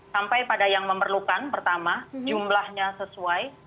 sampai pada yang memerlukan pertama jumlahnya sesuai